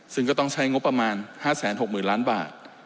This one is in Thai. ซึ่งก็ต้องใช้งบประมาณ๕๖๐๐๐ล้านบาท